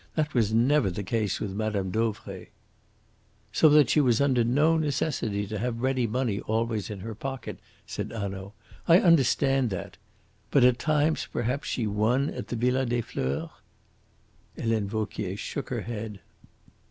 That was never the case with Madame Dauvray." "So that she was under no necessity to have ready money always in her pocket," said Hanaud. "I understand that. But at times perhaps she won at the Villa des Fleurs?" Helene Vauquier shook her head.